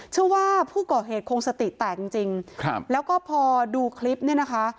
เชื่อว่าผู้ก่อเหตุคงสติแตกจริงจริงครับแล้วก็พอดูคลิปเนี่ยนะคะ